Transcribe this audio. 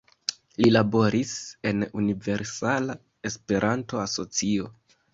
Li laboris por Universala Esperanto Asocio.